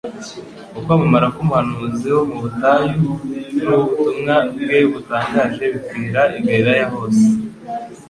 Ukwamamara k'umuhanuzi wo mu butayu n'ubutumwa bwe butangaje bikwira i Galilaya hose.